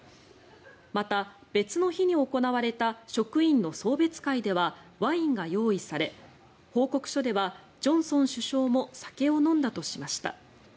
また別の日に行われた職員の送別会ではワインが用意され報告書ではジョンソン首相も酒を飲んだとしました。